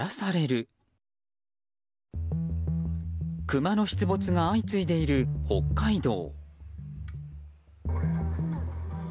クマの出没が相次いでいる北海道。